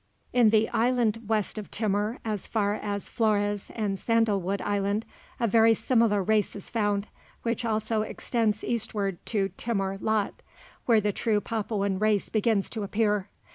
In the islands west of Timor, as far as Flores and Sandalwood Island, a very similar race is found, which also extends eastward to Timor laut, where the true Papuan race begins to appear.